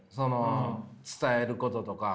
伝えることとか。